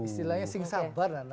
istilahnya sing sabar lah